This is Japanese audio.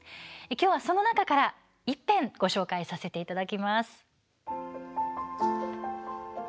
きょうは、その中から１編ご紹介させていただきます。